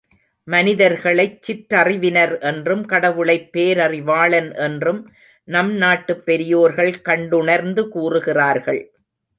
மனிதர்களைச் சிற்றறிவினர் என்றும் கடவுளைப் பேரறிவாளன் என்றும் நம் நாட்டுப் பெரியோர்கள் கண்டுணர்ந்து கூறுகிறார்கள்.